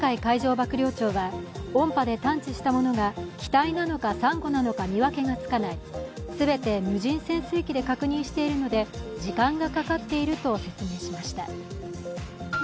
幕僚長は音波で探知したものが機体なのかさんごなのか見分けがつかない、全て無人潜水機で確認しているので時間がかかっていると説明しました。